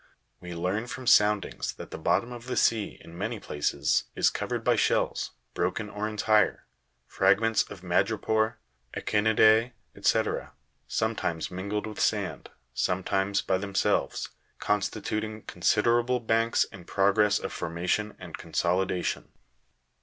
We learn from soundings that the bottom of the sea, in many places, is covered by shells, broken or entire, fragments of madrepore, echinidae, &c., sometimes mingled with sand, sometimes by themselves, constituting considerable banks in progress of formation and consolidation.